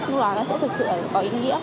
và nó sẽ thực sự có ý nghĩa